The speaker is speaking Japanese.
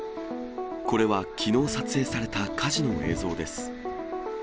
これは、きのう撮影された火事の映像です。